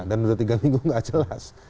dan sudah tiga minggu nggak jelas